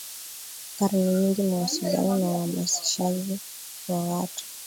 Kwa karne nyingi mawasiliano na uhamasishaji wa watu